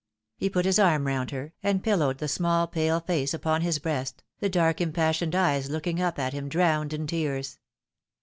He put his arm round her, and pillowed the small pale face upon his breast, the dark impassioned eyes looking up at him drowned in tears.